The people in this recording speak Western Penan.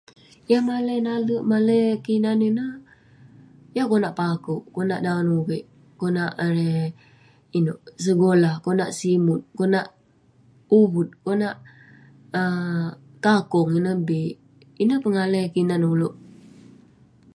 Yah malai nale'ek, malai kinan ineh ; yah konak pakouk, konak daon uveik, konak erei inouk segolah, konak simut, konak uvut, konak ah kakong, ineh bi. Ineh pengalai kinan ulouk.